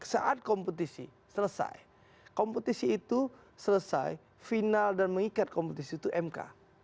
saat kompetisi selesai kompetisi itu selesai final dan mengikat kompetisi itu mk